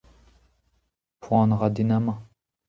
Poan a ra din amañ.